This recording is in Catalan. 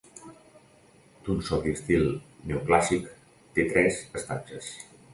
D'un sobri estil neoclàssic, té tres estatges.